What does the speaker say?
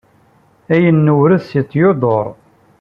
Ayen newwaṛet s Theodor.